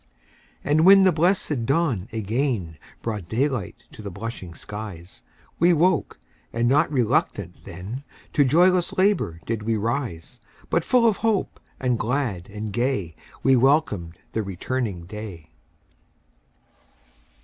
And when the blessed dawn again Brought daylight to the blushing skies, We woke, and not RELUCTANT then, To joyless LABOUR did we rise; But full of hope, and glad and gay, We welcomed the returning day.